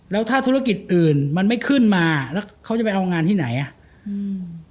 แล้วถ้าธุรกิจอื่นมันไม่ขึ้นมาแล้วเขาจะไปเอางานที่ไหนอ่ะอืม